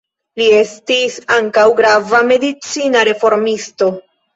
Li estis ankaŭ grava medicina reformisto.